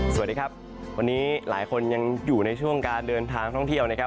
สวัสดีครับวันนี้หลายคนยังอยู่ในช่วงการเดินทางท่องเที่ยวนะครับ